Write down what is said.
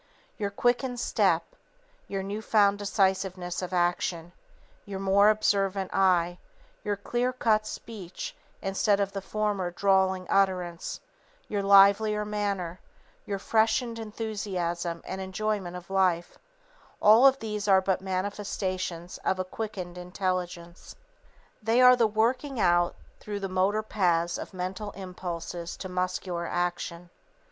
Your quickened step, your new found decisiveness of action, your more observant eye, your clear cut speech instead of the former drawling utterance, your livelier manner, your freshened enthusiasm and enjoyment of life all of these are but manifestations of a quickened intelligence. [Sidenote: Quickened Mentality] _They are the working out through the motor paths of mental impulses to muscular action.